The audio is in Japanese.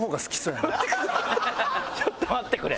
ちょっと待ってくれ。